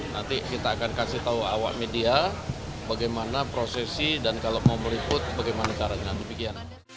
nanti kita akan kasih tahu awak media bagaimana prosesi dan kalau mau meliput bagaimana caranya demikian